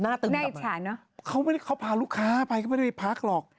หน้าตื่นกับมันเนี่ยเพราะเขาพาลูกค้าไปก็ไม่ได้พักหรอก